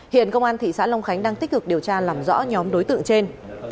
hiện công an thị xã long khánh đang tích cực điều tra làm rõ nhóm đối tượng trên